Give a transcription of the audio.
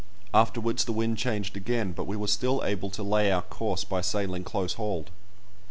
Afterwards the wind changed again, but we were still able to lay our course by sailing close hauled.